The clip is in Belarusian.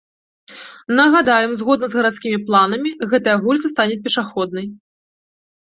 Нагадаем, згодна з гарадскімі планамі, гэтая вуліца стане пешаходнай.